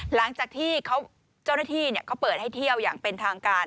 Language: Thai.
หลังจากที่เจ้าหน้าที่เขาเปิดให้เที่ยวอย่างเป็นทางการ